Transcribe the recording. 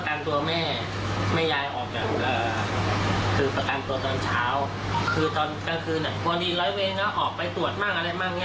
นั่งอยู่หน้าพระพงศ์แล้วแกพอดีแกคงจะเมื่อย